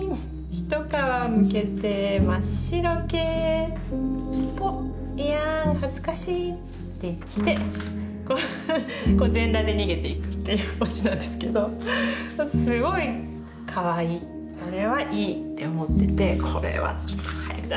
ひとかわむけてまっしろけーぽっいやーんはずかしい」って言ってこう全裸で逃げていくっていうオチなんですけどすごいかわいいこれはいいって思ってて「これは早く出したいですねえ」